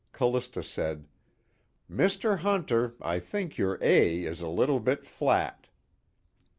Callista said: "Mr. Hunter, I think your A is a little bit flat."